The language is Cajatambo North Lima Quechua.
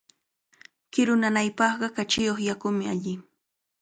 Kiru nanaypaqqa kachiyuq yakumi alli.